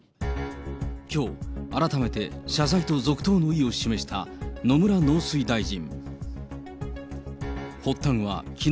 きょう、改めて謝罪と続投の意を示した野村農水大臣。